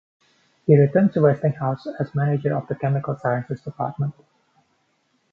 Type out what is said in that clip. He returned to Westinghouse as manager of the Chemical Sciences Department.